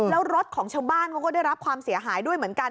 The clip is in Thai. แล้วรถของชาวบ้านเขาก็ได้รับความเสียหายด้วยเหมือนกัน